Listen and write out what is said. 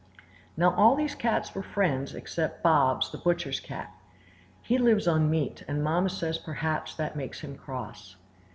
Now all these cats were friends except Bobs, the butcher's cat. He lives on meat, and Mamma says perhaps that makes him cross.